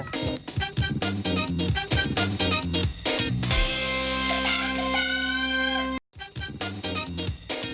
พี่จิบกับธนูช่วงหน้ากับข่าวใส่ใครครับ